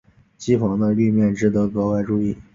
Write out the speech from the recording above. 机房的立面值得格外注意。